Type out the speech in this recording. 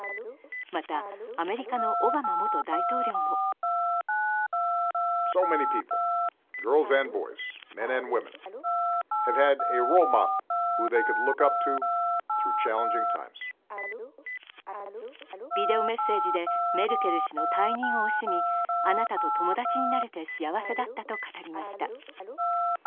また、アメリカのオバマ元大統領もビデオメッセージで、メルケル氏の退任を惜しみあなたと友達になれて幸せだったと語りました。